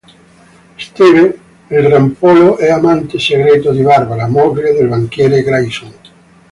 Steve, il rampollo, è amante segreto di Barbara, moglie del banchiere Grayson.